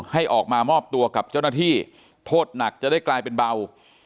ให้ออกมามอบตัวกับเจ้าหน้าที่โทษหนักจะได้กลายเป็นเบา